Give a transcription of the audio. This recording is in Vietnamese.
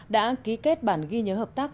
đã ký kết bản ghi nhớ hợp tác